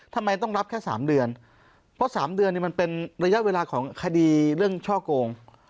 ทำไมต้องรับแค่๓เดือนเพราะ๓เดือนนี่มันเป็นระยะเวลาของคดีเรื่องช่อโกง